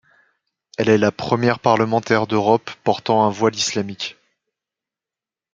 Elle est la première parlementaire d'Europe portant le voile islamique.